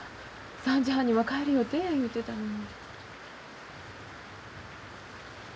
３時半には帰る予定や言うてたのに。